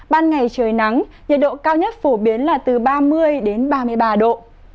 ban ngày trời nắng nhiệt độ cao nhất phổ biến là từ ba mươi đến ba mươi ba độ